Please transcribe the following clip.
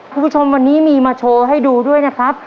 คุณผู้ชมวันนี้มีมาโชว์ให้ดูด้วยนะครับ